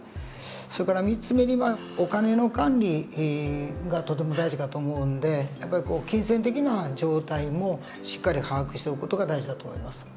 それから３つ目にはお金の管理がとても大事かと思うんでやっぱり金銭的な状態もしっかり把握しておく事が大事だと思います。